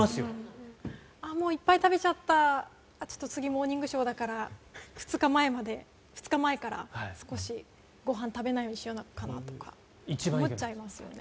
もういっぱい食べちゃった次、「モーニングショー」だから２日前から少しご飯食べないようにしようとか思っちゃいますよね。